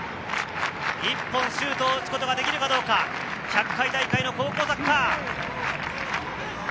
１本シュートを打つことができるかどうか、１００回大会の高校サッカー。